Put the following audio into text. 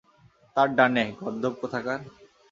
তার ডানে, গর্দভ কোথাকার।